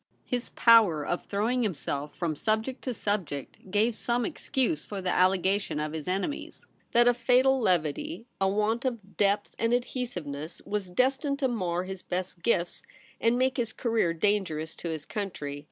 His power of throwing himself from subject to subject gave some excuse for the allegation of his enemies, that a fatal levity, a want of depth and adhesiveness, was destined to mar his best gifts and make his career dangerous to his country.